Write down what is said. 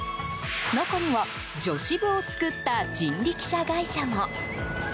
中には、女子部を作った人力車会社も。